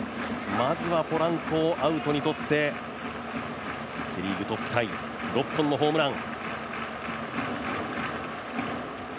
まずはポランコをアウトにとって、セ・リーグトップタイ６本のホームラン。